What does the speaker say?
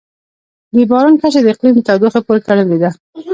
د باران کچه د اقلیم د تودوخې پورې تړلې ده.